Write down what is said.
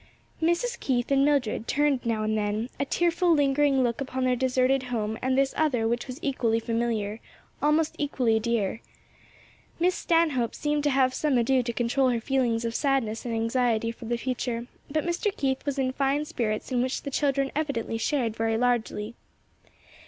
Mrs. Keith and Mildred turned now and then, a tearful lingering look upon their deserted home and this other which was equally familiar, almost equally dear; Miss Stanhope seemed to have some ado to control her feelings of sadness and anxiety for the future; but Mr. Keith was in fine spirits in which the children evidently shared very largely.